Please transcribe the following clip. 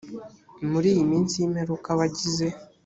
muri iyi minsi y imperuka abagize